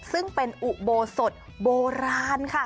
ซึ่งเป็นอุโบสถโบราณค่ะ